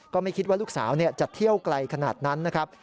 ก็ไม่คิดว่าลูกสาวจะเที่ยวไกลขนาดนั้นนะครับ